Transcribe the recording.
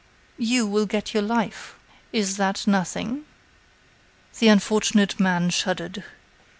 "You will get your life. Is that nothing?" The unfortunate man shuddered.